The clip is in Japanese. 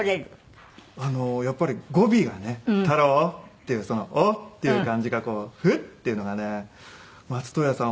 やっぱり語尾がね「太郎」っていうその「お」っていう感じがこうフッていうのがね松任谷さん